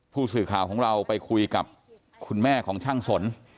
ผู้สื่อข่าวของเราไปคุยกับคุณแม่ของช่างสน